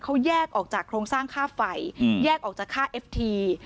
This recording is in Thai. เขาแยกออกจากโครงสร้างค่าไฟแยกออกจากค่าเอฟที